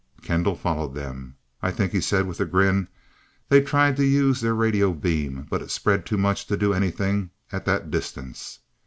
Kendall followed them. "I think," he said with a grin, "they tried to use their radio beam, but it spread too much to do anything at that distance.